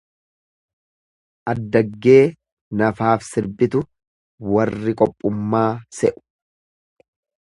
Addaggee nafaaf sirbitu warri qophummaa se'u.